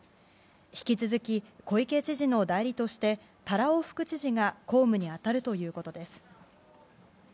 引き続き、小池知事の代理として多羅尾副知事が公務に当たるということです。